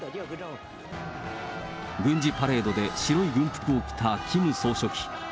軍事パレードで白い軍服を着たキム総書記。